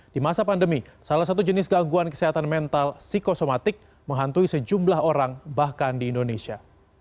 di masa pandemi salah satu jenis gangguan kesehatan mental psikosomatik menghantui sejumlah orang bahkan di indonesia